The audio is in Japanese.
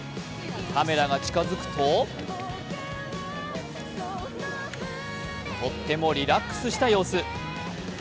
カメラが近付くと、とってもリラックスした様子。